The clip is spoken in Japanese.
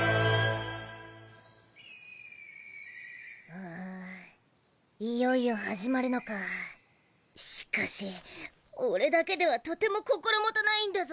うんいよいよ始まるのかぁしかしオレだけではとても心もとないんだゾ！！